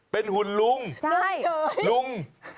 เป็นหุ่นลุงลุง